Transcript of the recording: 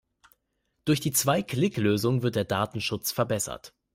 Durch die Zwei-Klick-Lösung wird der Datenschutz verbessert.